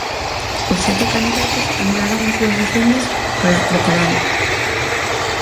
Os sete candidatos anularon as súas axendas para preparalo.